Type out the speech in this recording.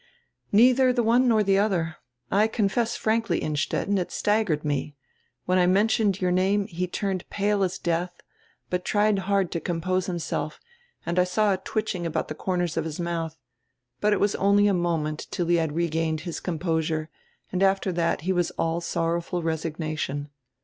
"Neither the one nor the other. I confess frankly, Inn stetten, it staggered me. When I mentioned your name he turned as pale as death, but tried hard to compose him self, and I saw a twitching about the corners of his mouth. But it was only a moment till he had regained his com posure and after that he was all sorrowful resignation.